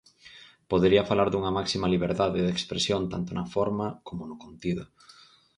Podería falar dunha máxima liberdade de expresión tanto na forma coma no contido.